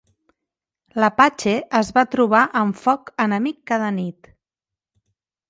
L'Apache es va trobar amb foc enemic cada nit.